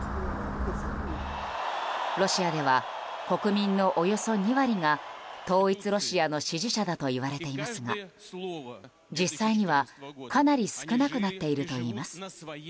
ロシアでは国民のおよそ２割が統一ロシアの支持者だといわれていますが実際にはかなり少なくなっているといいます。